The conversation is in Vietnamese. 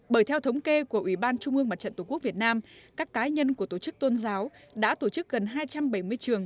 bởi theo thống kê của ủy ban trung ương mặt trận tổ quốc việt nam các cá nhân của tổ chức tôn giáo đã tổ chức gần hai trăm bảy mươi trường